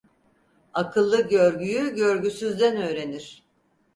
Akıllı görgüyü görgüsüzden öğrenir.